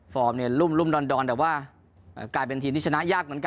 เนี่ยรุ่มดอนแต่ว่ากลายเป็นทีมที่ชนะยากเหมือนกัน